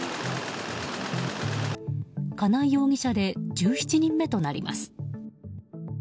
金井容疑者で１７人目となります。